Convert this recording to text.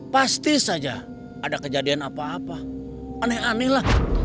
pasti saja ada kejadian apa apa aneh aneh lah